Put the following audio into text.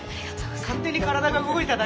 勝手に体が動いただけです。